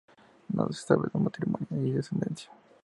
Nada se sabe de su matrimonio y descendencia.